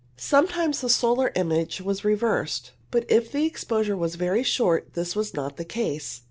Sometimes the solar image was reversed, but if the exposure was very short this was not the case.